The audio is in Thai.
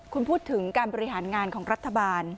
คุณพูดถึงการบริหารงานของรัฐบาล